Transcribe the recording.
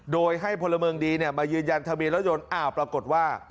โดยให้พลเมืองดีมายืนยันทะเบียนรถยนต์อ้าวปรากฏว่า